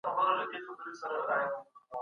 خلګ له ډېر وخت راهيسي د خپل کرامت غوښتونکي دي.